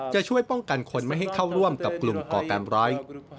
จะช่วยป้องกันคนไม่ให้เข้าร่วมกับกลุ่มก่อการร้าย